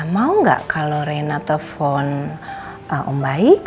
mau nggak kalau rena telepon om baik